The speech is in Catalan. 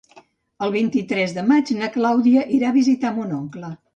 El vint-i-tres de maig na Clàudia irà a visitar mon oncle.